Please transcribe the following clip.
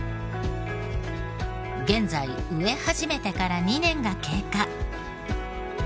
現在植え始めてから２年が経過。